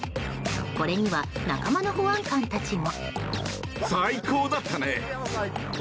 これには仲間の保安官たちも。